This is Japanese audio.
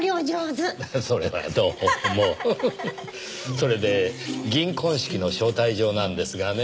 それで銀婚式の招待状なんですがね。